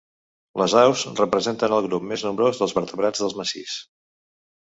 Les aus representen el grup més nombrós dels vertebrats del massís.